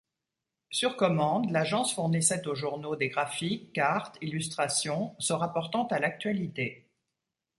Sur commande l'Agence fournissait aux journaux des graphiques, cartes, illustrations, se rapportant à l'actualité.